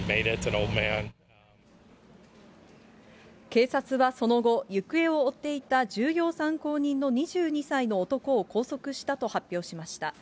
警察はその後、行方を追っていた重要参考人の２２歳の男を拘束したと発表しました。